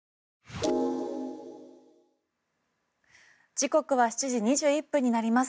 時刻は７時２１分になります。